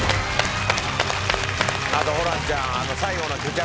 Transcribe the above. あとホランちゃん。